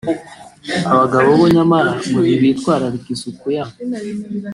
abagabo bo nyamara ngo ntibitwararika isuku yabo